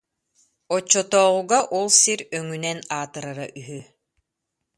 Оччотооҕуга ол сир өҥүнэн аатырара үһү